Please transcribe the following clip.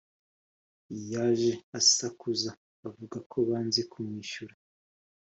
yaje asakuza avugako banze kumwishyura